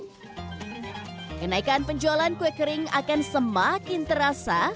kenaikan penjualan kue kering akan semakin terasa